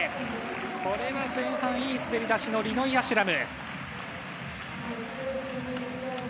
これは前半いい滑り出しのリノイ・アシュラム。